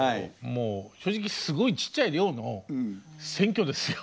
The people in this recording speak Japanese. もう正直すごいちっちゃい寮の選挙ですよ。